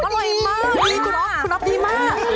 ดีมากเลยคุณอ๊อฟดีมาก